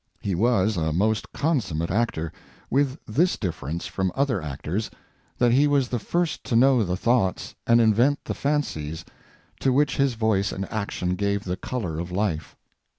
He was a most consummate actor, with this difference from other actors, that he was the first to know the thoughts and invent the fancies to which his voice and action gave the color of life.